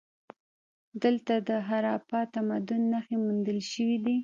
دلته د هراپا تمدن نښې موندل شوي دي